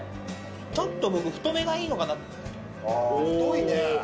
ちょっと僕、太めがいいのか太いね。